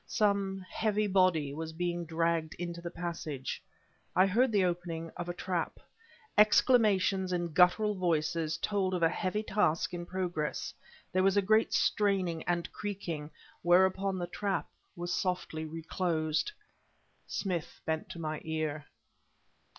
Some heavy body was being dragged into the passage. I heard the opening of a trap. Exclamations in guttural voices told of a heavy task in progress; there was a great straining and creaking whereupon the trap was softly reclosed. Smith bent to my ear.